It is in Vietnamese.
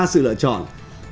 ba sự lựa chọn